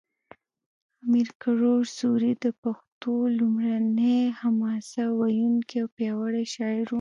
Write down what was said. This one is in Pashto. امیر کروړ سوري د پښتو لومړنی حماسه ویونکی او پیاوړی شاعر و